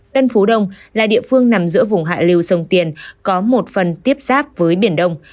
tân phú đông là địa phương nằm giữa vùng hạ lưu sông tiền có một phần tiếp giáp với biển đông